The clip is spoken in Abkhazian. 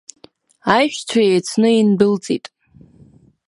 Аиҳәшьцәа еицны индәылҵит.